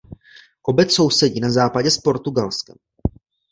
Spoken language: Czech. Obec sousedí na západě s Portugalskem.